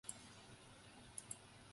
萧绎派柳仲礼率军进取襄阳。